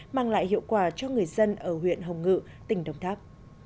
mang lại hiệu quả cho người dân ở huyện hồng ngự tỉnh đồng tháp